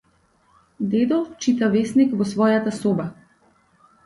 Дедо чита весник во својата соба.